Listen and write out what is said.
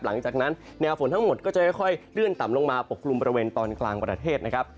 หลังจากนั้นแนวฝนทั้งหมดก็จะค่อยเลื่อนต่ำลงมาปกกลุ่มบริเวณตอนกลางประเทศนะครับ